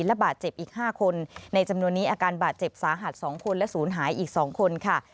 และบาดเจ็บอีก๕คนในจำนวนนี้อาการบาดเจ็บสาหัส๒คนและศูนย์หายอีก๒คนค่ะ